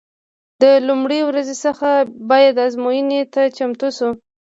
د لومړۍ ورځې څخه باید ازموینې ته چمتو شو.